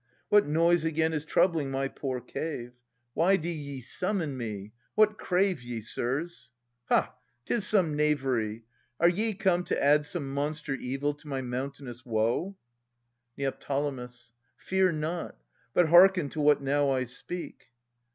What noise again is troubling my poor cave? Why do ye summon me? What crave ye, sirs? Ha ! 'tis some knavery. Are ye come to add Some monster evil to my mountainous woe ? Ned. Fear not, but hearken to what now I speak.